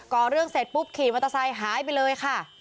่อเรื่องเสร็จปุ๊บขี่มอเตอร์ไซค์หายไปเลยค่ะ